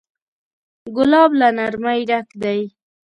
ګلاب له نرمۍ ډک دی.